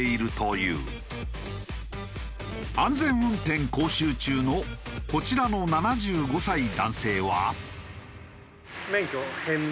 安全運転講習中のこちらの７５歳男性は。